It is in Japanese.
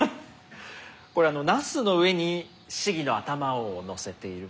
これはなすの上に鴫の頭をのせている。